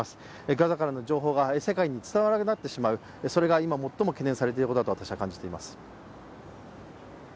ガザからの情報が世界に伝わらなくなってしまうそれが今、最も懸念されていることだと私は感じています。